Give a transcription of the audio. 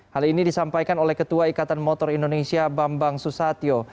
hal ini disampaikan oleh ketua ikatan motor indonesia bambang susatyo